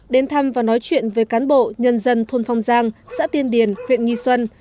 đến thăm và nói chuyện với cán bộ nhân dân thôn phong giang xã tiên điền huyện nghi xuân